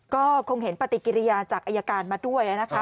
ก็คงเห็นปฏิกิรยาศึกษาจากอัยการมาด้วย